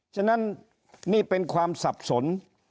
ฉะนั้นนี่เป็นความสับสน